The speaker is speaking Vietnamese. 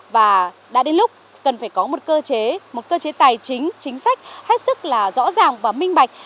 và đã đến lúc cần phải có một cơ chế tài chính chính sách hết sức là rõ ràng và minh bạch